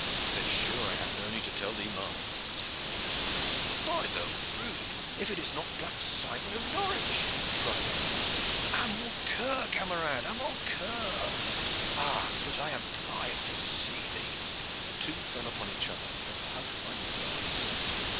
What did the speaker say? "Then sure I have no need to tell thee mine," said the other. "By the rood! if it is not Black Simon of Norwich!" cried Aylward. "A mon coeur, camarade, a mon coeur! Ah, but I am blithe to see thee!" The two fell upon each other and hugged like bears.